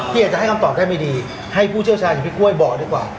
อยากจะให้คำตอบได้ไม่ดีให้ผู้เชี่ยวชาญอย่างพี่กล้วยบอกดีกว่า